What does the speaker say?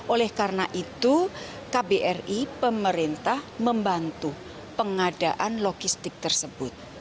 oleh karena itu kbri pemerintah membantu pengadaan logistik tersebut